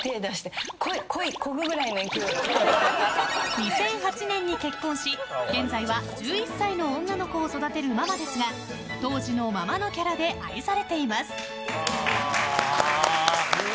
２００８年に結婚し現在は１１歳の女の子を育てるママですが当時のままのキャラで愛されています。